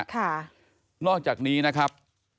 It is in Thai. ค่ะนอกจากนี้นะครับ